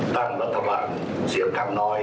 ตั้งรัฐบาลเสียงข้างน้อย